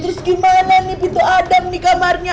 terus gimana nih butuh adam nih kamarnya